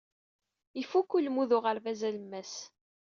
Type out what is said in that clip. Ifukk ulmud n uɣerbaz alemmas.